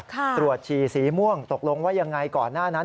ฉีดสีม่วงตกลงว่ายังไงก่อนหน้านั้น